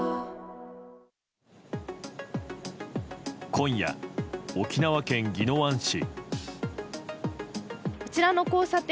今夜、沖縄県宜野湾市。